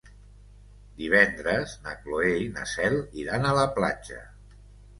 Divendres na Cloè i na Cel iran a la platja.